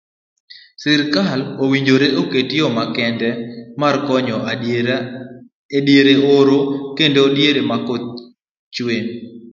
Sirikal owinjore oket yoo makende mar konyo ediere oro kendo diere ma koth thoth.